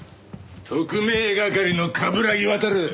特命係の冠城亘！